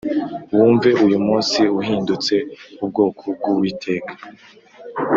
wumve uyu munsi uhindutse ubwoko bw Uwiteka